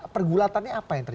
pergulatannya apa yang terjadi